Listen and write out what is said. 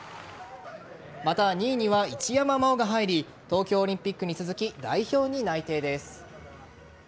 また、２位には一山麻緒が入り東京オリンピックに続き代表に内定です。